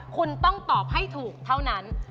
คุณต้องตอบให้ถูกเท่านั้น